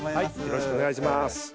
よろしくお願いします